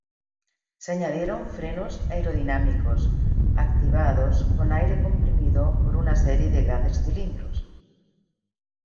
Se añadieron frenos aerodinámicos, activados con aire comprimido por una serie de grandes cilindros.